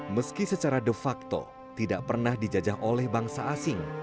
meski secara de facto tidak pernah dijajah oleh bangsa asing